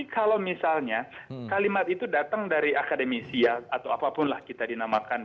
kalau misalnya kalimat itu datang dari akademisi atau apapun lah kita dinamakan